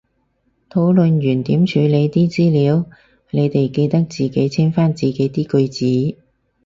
討論完點處理啲資料，你哋記得自己清返自己啲句子